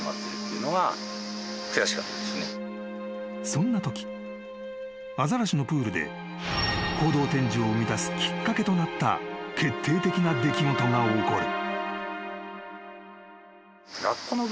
［そんなときアザラシのプールで行動展示を生みだすきっかけとなった決定的な出来事が起こる］